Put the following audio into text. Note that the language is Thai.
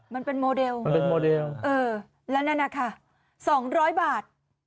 มันเป็นโมเดลฯเออแล้วนั่นล่ะค่ะ๒๐๐บาท